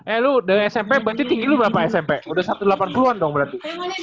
eh lu dari smp berarti tinggi lu berapa smp udah satu ratus delapan puluh an dong berarti